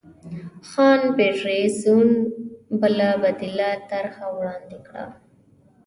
جان پیټرسزونکوین بله بدیله طرحه وړاندې کړه.